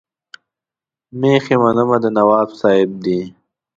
مېښې منمه د نواب صاحب دي.